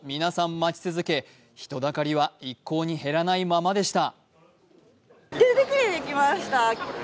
待ち続け人だかりは一向に減らないままでした。